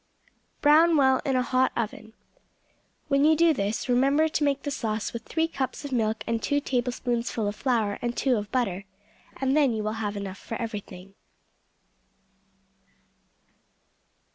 Brown well in a hot oven. When you do this, remember to make the sauce with three cups of milk and two tablespoonfuls of flour and two of butter, and then you will have enough for everything.